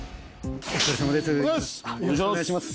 お疲れさまです。